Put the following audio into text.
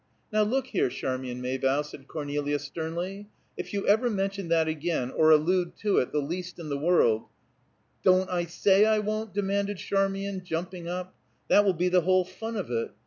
"Now, look here, Charmian Maybough," said Cornelia sternly, "if you ever mention that again, or allude to it the least in the world " "Don't I say I won't?" demanded Charmian, jumping up. "That will be the whole fun of it.